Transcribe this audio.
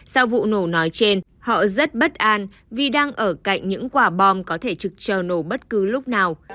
sau vụ nổ nói trên họ rất bất an vì đang ở cạnh những quả bom có thể trực chờ nổ bất cứ lúc nào